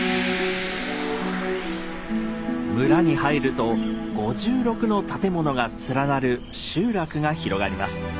村に入ると５６の建物が連なる集落が広がります。